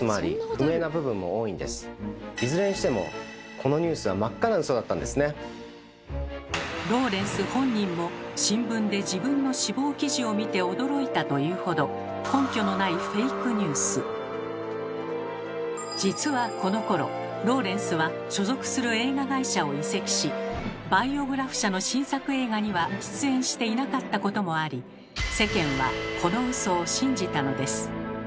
このニュースいずれにしてもローレンス本人も「新聞で自分の死亡記事を見て驚いた」と言うほど実はこのころローレンスは所属する映画会社を移籍しバイオグラフ社の新作映画には出演していなかったこともあり世間はこのウソを信じたのです。